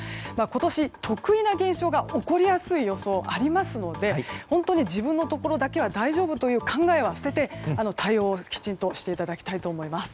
今年、特異な現象が起こりやすい予想がありますので本当に自分のところだけは大丈夫という考えは捨てて対応をきちんとしていただきたいと思います。